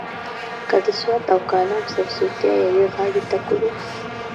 که د سوات او کالام سمسورتیا یوې غاړې ته کړو.